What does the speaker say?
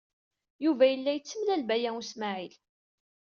Yuba yella yettemlal d Baya U Smaɛil.